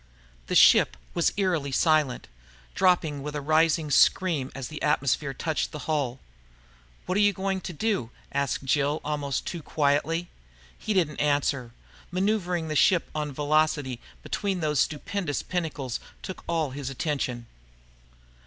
The ship was eerily silent, dropping with a rising scream as the atmosphere touched the hull. "What are you going to do?" asked Jill almost too quietly. He didn't answer. Maneuvering the ship on velocity between those stupendous pinnacles took all his attention.